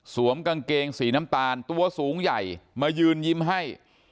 กางเกงสีน้ำตาลตัวสูงใหญ่มายืนยิ้มให้